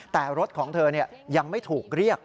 แต่รถของเธอยังไม่ถูกเรียก